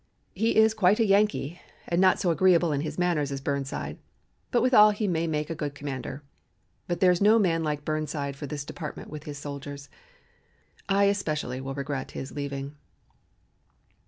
He is quite a Yankee and not so agreeable in his manners as Burnside, but withal he may make a good commander. But there is no man like Burnside for this department with his soldiers. I especially will regret his leaving."